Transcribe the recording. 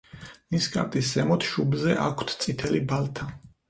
ნისკარტის ზემოთ, შუბლზე აქვთ წითელი ბალთა.